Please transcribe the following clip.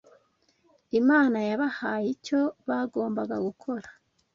Imana yabahaye icyo bagombaga gukora